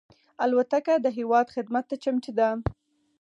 الوتکه د هېواد خدمت ته چمتو ده.